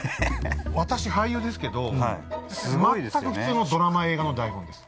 私俳優ですけど全く普通のドラマ映画の台本です。